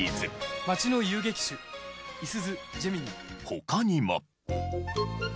他にも。